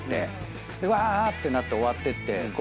わ！ってなって終わってって。